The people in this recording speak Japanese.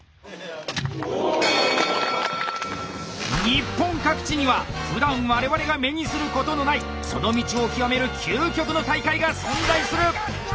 日本各地にはふだん我々が目にすることのないその道を極める究極の大会が存在する！